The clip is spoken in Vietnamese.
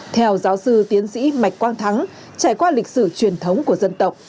theo giáo sư tiến sĩ mạnh quang thắng trải qua lịch sử truyền thống của dân tộc